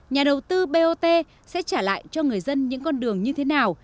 nhà đầu tư bot sẽ trả lại cho người dân những con đường như thế nào